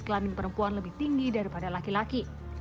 pertama kematian perempuan lebih tinggi daripada laki laki